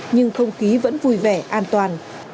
nhưng không khí vẫn vui vẻ an toàn